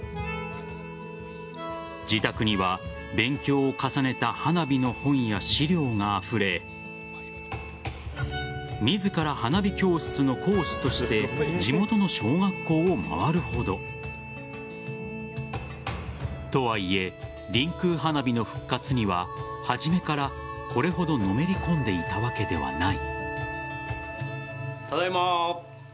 自宅には勉強を重ねた花火の本や資料があふれ自ら花火教室の講師として地元の小学校を回るほど。とはいえりんくう花火の復活には初めからこれほどのめり込んでいたわけではない。